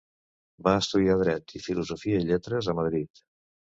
Va estudiar dret i filosofia i lletres a Madrid.